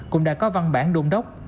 cũng đã có văn bản đôn đốc